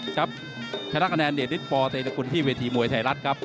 ชนะกระแนนเดชนิดปอเตรนกุลที่เวทีมวยไทยรัฐครับ